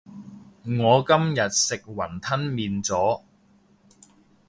我今日食雲吞麵咗